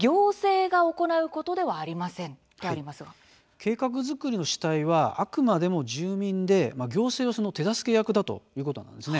計画作りの主体はあくまでも住民で行政は、その手助け役だということなんです。